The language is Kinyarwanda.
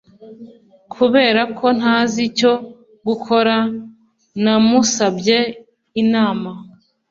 Kubera ko ntazi icyo gukora namusabye inama